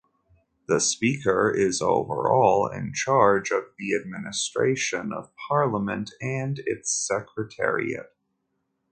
The Speaker is overall in charge of the administration of Parliament and its Secretariat.